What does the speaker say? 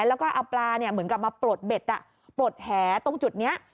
แล้วก็เอาปลาเหมือนกับมาปลดเบ็ดปลดแหตรงจุดนี้